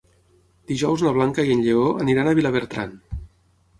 Dijous na Blanca i en Lleó aniran a Vilabertran.